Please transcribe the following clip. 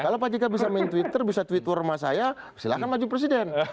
kalau pak jk bisa main twitter bisa tweet warma saya silahkan maju presiden